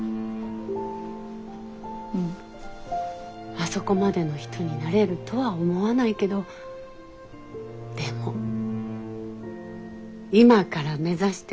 あそこまでの人になれるとは思わないけどでも今から目指しても遅くはないよね？